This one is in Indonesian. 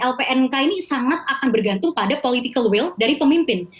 lpnk ini sangat akan bergantung pada political will dari pemimpin